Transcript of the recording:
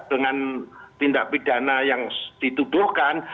dengan tindak pidana yang dituduhkan